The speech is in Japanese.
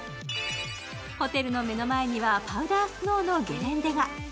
ホテルの目の前にはパウダースノーのゲレンデが。